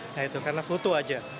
nah itu karena foto aja